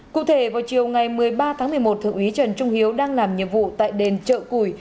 cụ thể vào chiều ngày một mươi ba tháng một mươi một thượng úy trần trung hiếu đang làm nhiệm vụ tại đền chợ củi